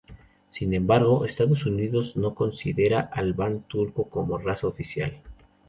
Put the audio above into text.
Sin embargo, Estados Unidos no considera al Van Turco como raza oficial.